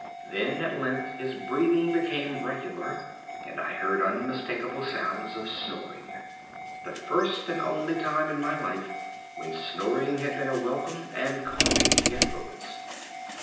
Then at length his breathing became regular and I heard unmistakable sounds of snoring—the first and only time in my life when snoring has been a welcome and calming influence.